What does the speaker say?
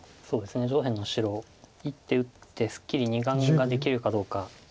上辺の白１手打ってすっきり２眼ができるかどうか。